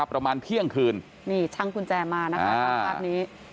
ประมาณเที่ยงคืนนี่ช่างกุญแจมานะคะตามภาพนี้